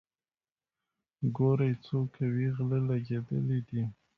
ګورئ څو کوئ غله لګېدلي دي.